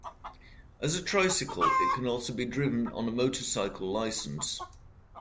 As a tricycle it can also be driven on a motorcycle licence.